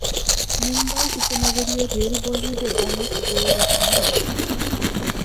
মুম্বাই উপনগরীয় রেল বলিউডের অনেক বয়ে দেখানো হয়েছে।